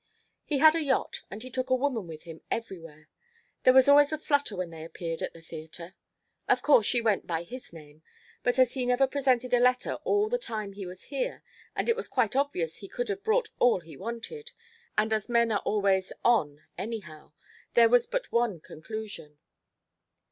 "He had a yacht, and he took the woman with him everywhere. There was always a flutter when they appeared at the theater. Of course she went by his name, but as he never presented a letter all the time he was here and it was quite obvious he could have brought all he wanted, and as men are always 'on' anyhow, there was but one conclusion."